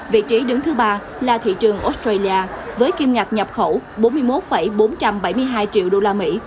vị trí đứng thứ ba là thị trường australia với kiêm ngạc nhập khẩu bốn mươi một bốn trăm bảy mươi hai triệu đô la mỹ